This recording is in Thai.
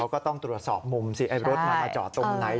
เขาก็ต้องตรวจสอบมุมสิไอ้รถมามาจอตรงไหน